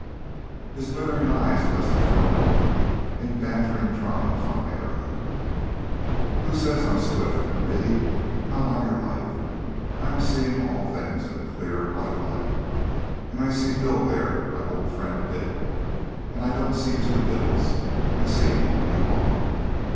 His glittering eyes rested for a moment in bantering triumph on Mary. "Who says I'm squiffed? Me? Not on your life. I'm seein' all things in a clear white light. An' I see Bill there, my old friend Bill. An' I don't see two Bills. I see only one.